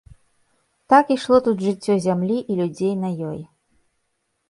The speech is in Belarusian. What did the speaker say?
Так ішло тут жыццё зямлі і людзей на ёй.